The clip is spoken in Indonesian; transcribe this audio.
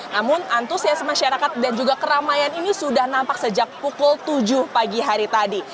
namun antusias masyarakat dan juga keramaian ini sudah nampak sejak pukul tujuh pagi hari tadi